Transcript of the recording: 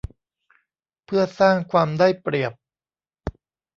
เพื่อสร้างความได้เปรียบ